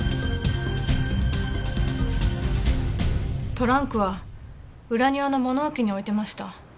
トランクは裏庭の物置に置いてました。